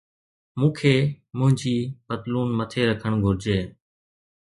مون کي منهنجي پتلون مٿي رکڻ گهرجي